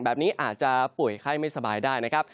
แบบนี้อาจจะป่วยไข้ไม่สบายได้นะครับ